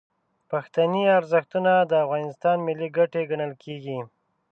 پښتني ارزښتونه د افغانستان ملي ګټې ګڼل کیږي.